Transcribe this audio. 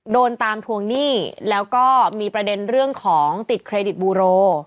โดนตามทวงหนี้แล้วก็มีประเด็นเรื่องของติดเครดิตบูโร